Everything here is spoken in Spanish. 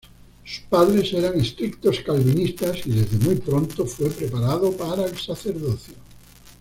Sus padres eran estrictos calvinistas y desde muy pronto fue preparado para el sacerdocio.